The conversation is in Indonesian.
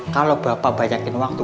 kalau bapak banyakin waktu